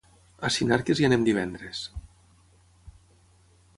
A Sinarques hi anem divendres.